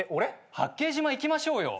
八景島行きましょうよ。